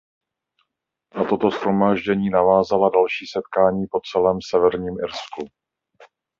Na toto shromáždění navázala další setkání po celém Severním Irsku.